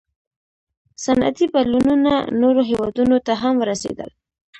• صنعتي بدلونونه نورو هېوادونو ته هم ورسېدل.